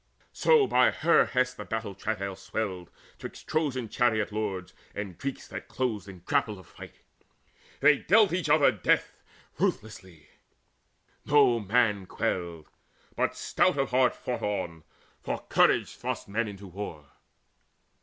So by her hest the battle travail swelled 'Twixt Trojan chariot lords and Greeks that closed In grapple of fight they dealt each other death Ruthlessly: no man quailed, but stout of heart Fought on; for courage thrusts men into war.